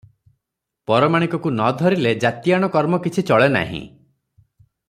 ପରମାଣିକ କୁ ନ ଧରିଲେ ଜାତିଆଣ କର୍ମ କିଛି ଚଳେ ନାହିଁ ।